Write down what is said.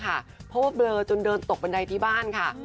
เพราะว่าเบลอจนเดินตกบันไดที่บ้านค่ะ